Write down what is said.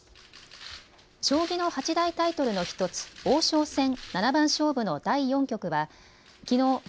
将棋の八大タイトルの１つ、王将戦七番勝負の第４局はきのう